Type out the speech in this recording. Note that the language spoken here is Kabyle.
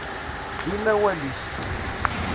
Dima awal-is.